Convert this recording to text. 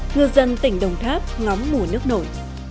ngư dân tỉnh đồng tháp ngóng mùa nước nổi